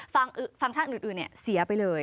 ฟังช่างอื่นเนี่ยเสียไปเลย